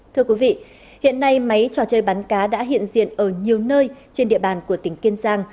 thưa quý vị hiện nay máy trò chơi bắn cá đã hiện diện ở nhiều nơi trên địa bàn của tỉnh kiên giang